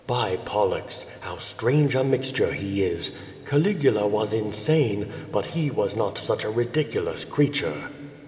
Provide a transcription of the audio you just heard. By Pollux! how strange a mixture he is! Caligula was insane, but he was not such a ridiculous creature."